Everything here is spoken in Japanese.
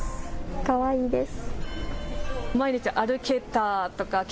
かわいいです。